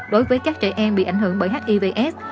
đối với các trẻ em bị ảnh hưởng bởi hivs